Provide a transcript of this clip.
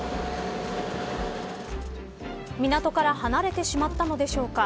港から離れてしまったのでしょうか。